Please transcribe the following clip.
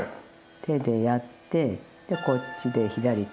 手でやってでこっちで左手。